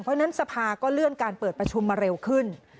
เพราะฉะนั้นสภาก็เลื่อนการเปิดประชุมมาเร็วขึ้น